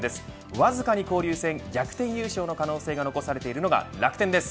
わずかに交流戦、逆転優勝の可能性が残されているのが楽天です。